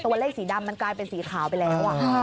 แต่ว่าตัวไล่สีดำมันกลายเป็นสีขาวไปแล้ว